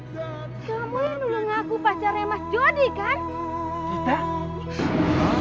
kamu yang nulang aku pacarnya mas jody kan